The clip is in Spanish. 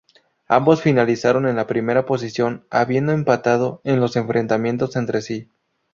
Ambos finalizaron en la primera posición, habiendo empatado en los enfrentamientos entre sí.